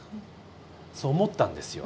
そう思ったんですよ